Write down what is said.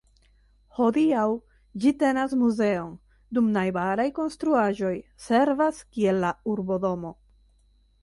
Hodiaŭ ĝi tenas muzeon, dum najbaraj konstruaĵoj servas kiel la Urbodomo.